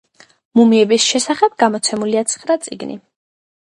მუმინების შესახებ გამოცემულია ცხრა წიგნი.